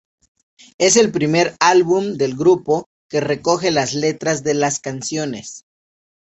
Es el primer álbum del grupo que recoge las letras de las canciones.